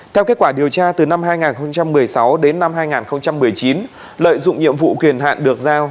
theo kết quả điều tra từ năm hai nghìn một mươi sáu đến năm hai nghìn một mươi chín lợi dụng nhiệm vụ quyền hạn được giao